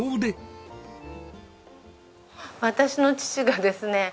私の父がですね